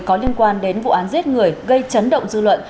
có liên quan đến vụ án giết người gây chấn động dư luận